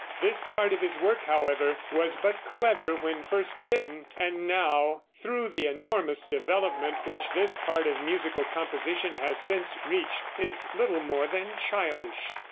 This part of his work, however, was but clever when first written, and now, through the enormous development which this part of musical composition has since reached, is little more than childish.